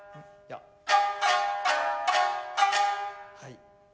はい。